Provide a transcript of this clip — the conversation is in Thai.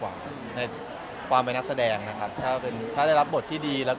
แสวได้ไงของเราก็เชียนนักอยู่ค่ะเป็นผู้ร่วมงานที่ดีมาก